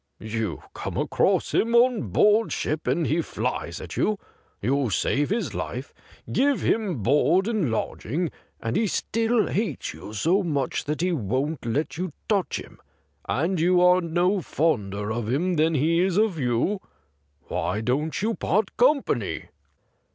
' You come across him on board ship and he flies at you. You save his life, give hira board and lodging, and he still hates you so much that he won't let you touch him, and you are no fonder of him than he is of you. Why don't you part company